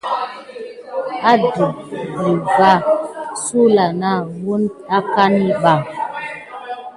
Adef gəlva sulà nà wune akane ɓa.